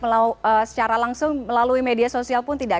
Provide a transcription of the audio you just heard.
secara langsung melalui media sosial pun tidak